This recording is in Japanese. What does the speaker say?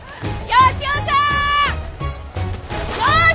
吉雄さん！